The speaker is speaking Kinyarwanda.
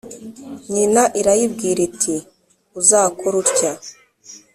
nyina irayibwir iti: ‘uzakore utya... ‘,